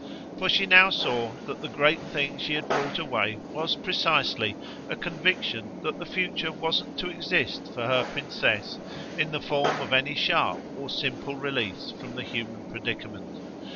For she now saw that the great thing she had brought away was precisely a conviction that the future wasn't to exist for her princess in the form of any sharp or simple release from the human predicament.